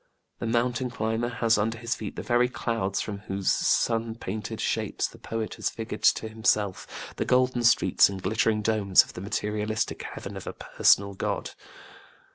The mountain climber has under his feet the very clouds from whose sun painted shapes the poet has figured to himself the golden streets and glittering domes of the materialistic Heaven of a personal God.